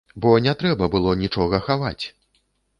Бо не трэба было нічога хаваць!